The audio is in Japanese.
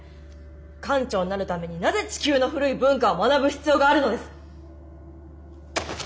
艦長になるためになぜ地球の古い文化を学ぶ必要があるのです。